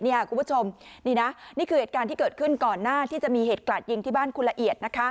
คุณผู้ชมนี่นะนี่คือเหตุการณ์ที่เกิดขึ้นก่อนหน้าที่จะมีเหตุกลาดยิงที่บ้านคุณละเอียด